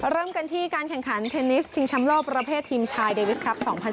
เริ่มกันที่การแข่งขันเทนนิสชิงชำโลกประเภททีมชายเดวิสครับ๒๐๑